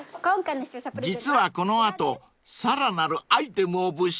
［実はこの後さらなるアイテムを物色］